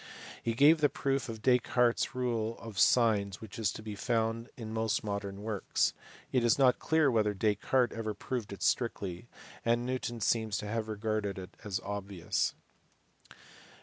He gave the proof of Descartes s rule of signs which is to be found in most modern works : it is not clear whether Descartes ever proved it strictly, and Newton seems to have regarded it as obvious.